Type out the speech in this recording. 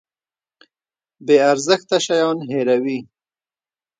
بې ارزښته شیان هیروي.